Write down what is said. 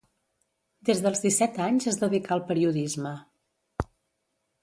Des dels disset anys es dedicà al periodisme.